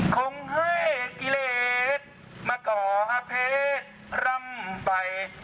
คงให้กิเลสมาก่อเพชรร่ำไป